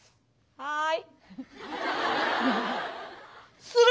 はい。